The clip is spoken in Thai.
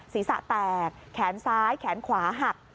ศีรษะแตกแขนซ้ายแขนขวาหัก